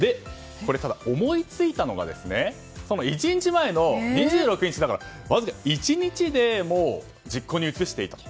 ただ、思いついたのが１日前の２６日だから１日で実行に移していたと。